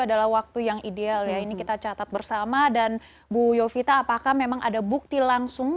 adalah waktu yang ideal ya ini kita catat bersama dan bu yovita apakah memang ada bukti langsung